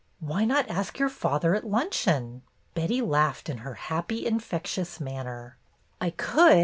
'' ''Why not ask your father at luncheon?" Betty laughed in her happy, infectious manner. "I could.